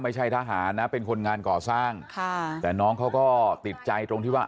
ไม่ใช่ทหารนะเป็นคนงานก่อสร้างค่ะแต่น้องเขาก็ติดใจตรงที่ว่า